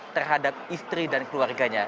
terhadap istri dan keluarganya